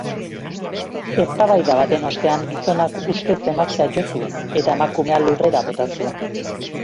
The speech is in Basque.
Eztabaida baten ostean gizonak ustez emaztea jo zuen eta emakumea lurrera bota zuen.